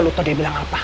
lo tau dia bilang apa